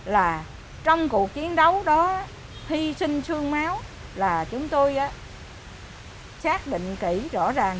là trong cuộc chiến đấu đó hy sinh xương máu là chúng tôi xác định kỹ rõ ràng